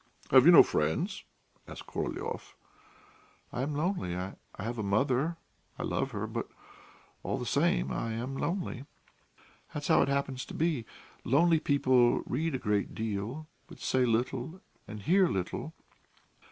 "Have you no friends?" asked Korolyov. "I am lonely. I have a mother; I love her, but, all the same, I am lonely. That's how it happens to be.... Lonely people read a great deal, but say little and hear little.